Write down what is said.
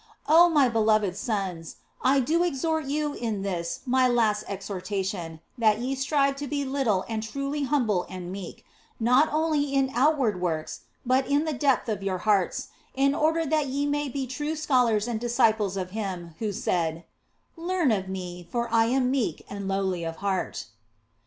" Oh, my beloved sons, I do exhort you in this my last exhortation that ye strive to be little and truly humble and meek, not only in outward works but in the depth of your hearts, in order that ye may be true scholars and disciples of Him who said, Learn of Me, for I am meek and lowly of heart.